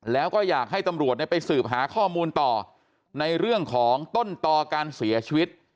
แล้วก็อยากให้ตำรวจไปสืบหาข้อมูลต่อในเรื่องของต้นต่อการเสียชีวิต